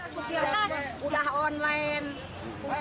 supir kan udah online